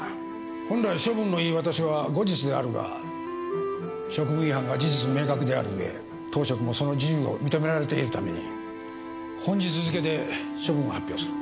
本来処分の言い渡しは後日であるが職務違反が事実明確であるうえ当職もその事由を認められているために本日付けで処分を発表する。